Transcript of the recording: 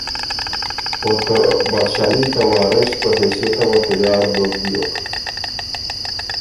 او ته بادشاهي ته وارث په حېثئته وه تیار دوک بیوک